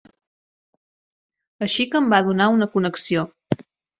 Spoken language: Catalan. Així que em va donar una connexió.